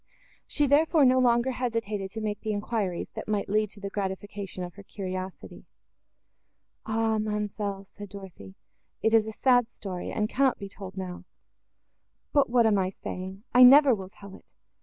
She, therefore, no longer hesitated to make the enquiries, that might lead to the gratification of her curiosity. "Ah, ma'amselle!" said Dorothée, "it is a sad story, and cannot be told now: but what am I saying? I never will tell it.